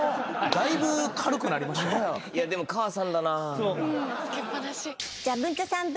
だいぶ軽くなりましたね。